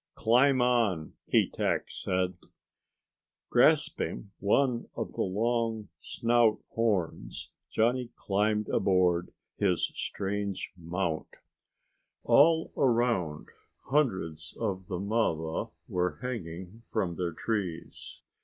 "Climb on," Keetack said. Grasping one of the long snout horns, Johnny climbed aboard his strange mount. "Goodbye," he shouted. All around hundreds of the marva were hanging from their trees.